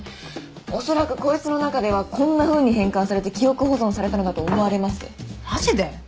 恐らくこいつの中ではこんなふうに変換されて記憶保存されたのだと思われますマジで？